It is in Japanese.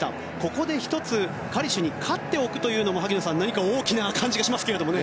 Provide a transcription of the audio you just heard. ここで１つ、カリシュに勝っておくというのも萩野さん、何か大きな感じがしますけどもね。